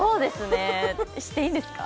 していいんですか？